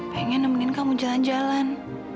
pengen nemenin kamu jalan jalan